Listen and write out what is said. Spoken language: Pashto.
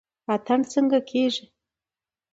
اتن څنګه کیږي؟